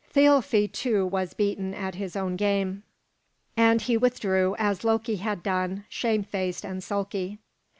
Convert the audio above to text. Thialfi, too, was beaten at his own game, and he withdrew, as Loki had done, shamefaced and sulky.